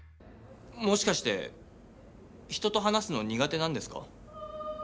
もしかして人と話すの苦手なんですか？